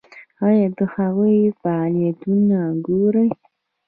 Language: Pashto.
ایا د هغوی فعالیتونه ګورئ؟